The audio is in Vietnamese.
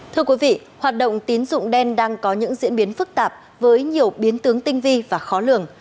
thưa quý vị hoạt động tín dụng đen đang có những diễn biến phức tạp với nhiều biến tướng tinh vi và khó lường